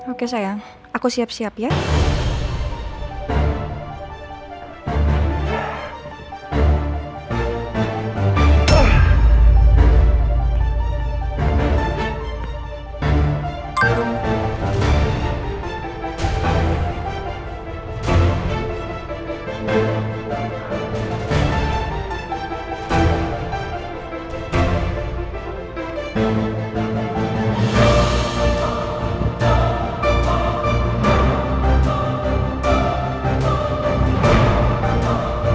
oke sayang aku siap siap ya